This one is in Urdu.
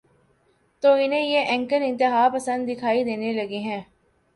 تو انہیں یہ اینکر انتہا پسند دکھائی دینے لگے ہیں۔